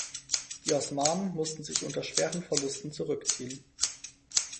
Die Osmanen mussten sich unter schweren Verlusten zurückziehen.